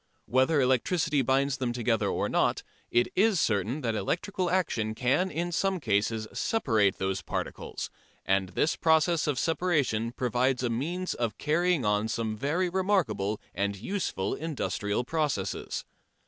Whether electricity binds them together or not, it is certain that electrical action can in some cases separate those particles, and this process of separation provides a means of carrying on some very remarkable and useful industrial processes.